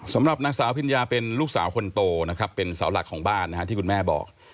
สำหรับนางสาวพิญญาเป็นลูกสาวคนโตนะครับเป็นเสาหลักของบ้านนะฮะที่คุณแม่บอก